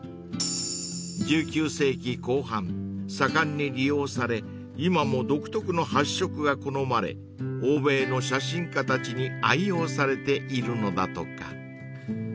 ［１９世紀後半盛んに利用され今も独特の発色が好まれ欧米の写真家たちに愛用されているのだとか］